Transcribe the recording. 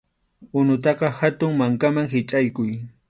Unutaqa hatun mankaman hichʼaykuy.